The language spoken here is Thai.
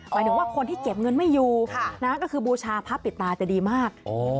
หมายถึงว่าคนที่เก็บเงินไม่อยู่ก็คือบูชาพระปิดตาจะดีมาก